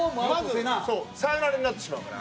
サヨナラになってしまうから。